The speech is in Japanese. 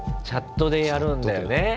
チャットでやるんだよね